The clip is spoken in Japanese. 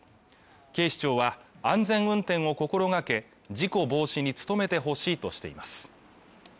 警視庁は安全運転を心がけ事故防止に努めてほしいとしています